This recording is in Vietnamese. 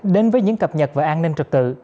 đến với những cập nhật về an ninh trật tự